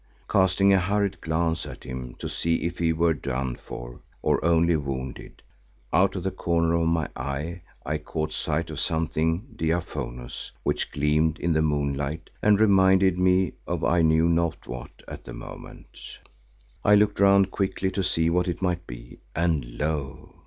Casting a hurried glance at him to see if he were done for or only wounded, out of the corner of my eye I caught sight of something diaphanous which gleamed in the moonlight and reminded me of I knew not what at the moment. I looked round quickly to see what it might be and lo!